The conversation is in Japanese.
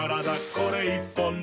これ１本で」